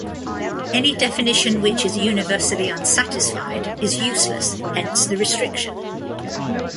Any definition which is universally unsatisfied is useless; hence the restriction.